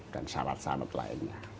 dan syarat syarat lainnya